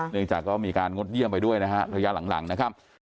เนื่องจากก็มีการงดเยี่ยมไปด้วยนะคะระยะหลังหลังนะครับ